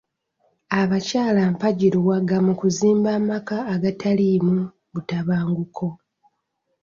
Abakyala mpagi luwaga mu kuzimba amaka agataliimu butabanguko.